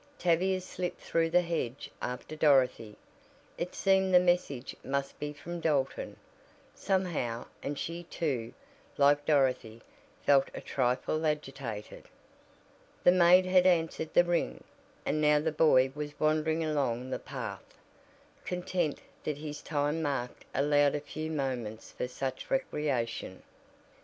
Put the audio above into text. Tavia slipped through the hedge after Dorothy. It seemed the message must be from Dalton, somehow, and she too, like Dorothy, felt a trifle agitated. The maid had answered the ring, and now the boy was wandering along the path, content that his time mark allowed a few moments for such recreation.